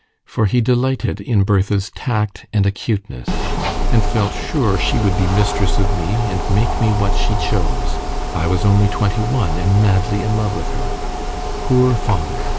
For he delighted in Bertha's tact and acuteness, and felt sure she would be mistress of me, and make me what she chose: I was only twenty one, and madly in love with her. Poor father!